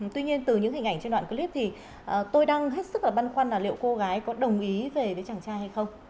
tuy nhiên từ những hình ảnh trên đoạn clip thì tôi đang hết sức là băn khoăn là liệu cô gái có đồng ý về với chàng trai hay không